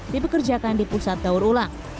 dipekerjakan di pusat daur ulang